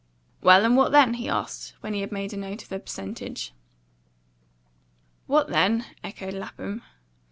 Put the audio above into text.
"Well, and what then?" he asked, when he had made a note of the percentage. "What then?" echoed Lapham.